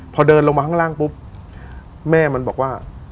พอเดินลงมาข้างล่างแม่บอกว่า